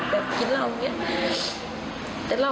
แต่เหล้าแกกินไม่มากแกเพิ่งซื้อมา